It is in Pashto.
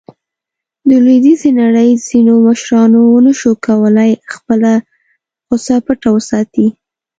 د لویدیځې نړۍ ځینو مشرانو ونه شو کولاې خپله غوصه پټه وساتي.